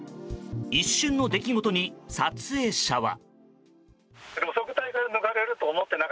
一瞬の出来事に撮影者は。